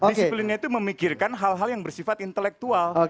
disiplinnya itu memikirkan hal hal yang bersifat intelektual